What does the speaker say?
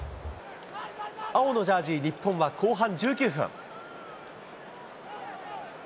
青のジャージ、日本は後半１９分。